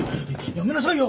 やめなさいよ！